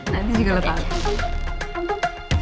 nanti juga lo tau